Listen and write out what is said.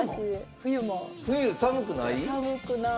冬寒くない？